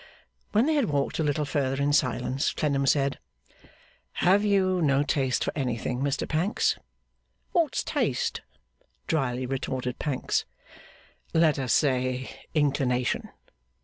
When they had walked a little further in silence, Clennam said: 'Have you no taste for anything, Mr Pancks?' 'What's taste?' drily retorted Pancks. 'Let us say inclination.